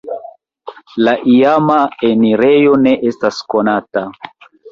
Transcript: La iama enirejo ne estas konata.